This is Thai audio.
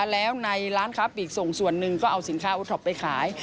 แล้วในร้านค้าปีกส่งส่วนหนึ่งก็เอาสินค้าโอท็อปไปขาย